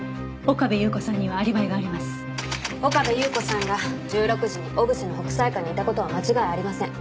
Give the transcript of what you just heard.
岡部祐子さんが１６時に小布施の北斎館にいた事は間違いありません。